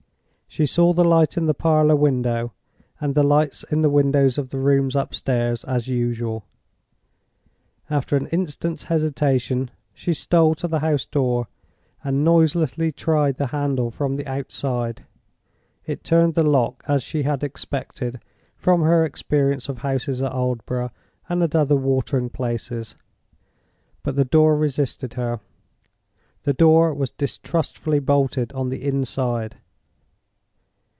She saw the light in the parlor window, and the lights in the windows of the rooms upstairs, as usual. After an instant's hesitation she stole to the house door, and noiselessly tried the handle from the outside. It turned the lock as she had expected, from her experience of houses at Aldborough and at other watering places, but the door resisted her; the door was distrustfully bolted on the inside.